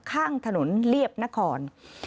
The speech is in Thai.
ข้างถนนเรียบนคร